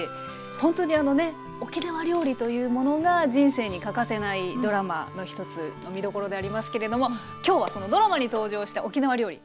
ほんとにあのね沖縄料理というものが人生に欠かせないドラマの１つの見どころでありますけれども今日はそのドラマに登場した沖縄料理